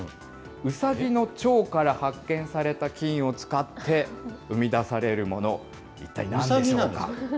ウサギの腸から発見された菌を使って、生み出されるもの、一体なんでしょうか。